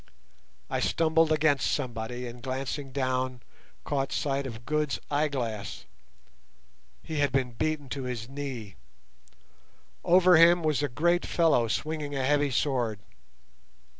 I stumbled against somebody, and glancing down, caught sight of Good's eyeglass. He had been beaten to his knee. Over him was a great fellow swinging a heavy sword.